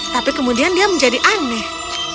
tapi kemudian dia menjadi aneh